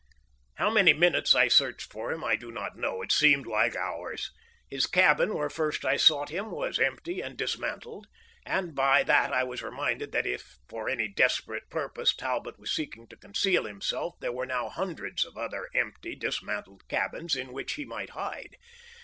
How many minutes I searched for him I do not know. It seemed many hours. His cabin, where first I sought him, was empty and dismantled, and by that I was reminded that if for any desperate purpose Talbot were seeking to conceal himself there now were hundreds of other empty, dismantled cabins in which he might hide.